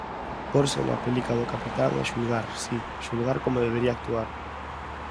Pórse na pelica do capitán e xulgar, si, xulgar como debería actuar.